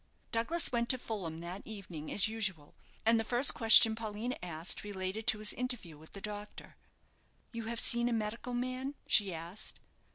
Douglas went to Fulham that evening as usual, and the first question Paulina asked related to his interview with the doctor. "You have seen a medical man?" she asked.